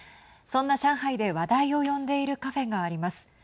そんな上海で話題を呼んでいるカフェがあります。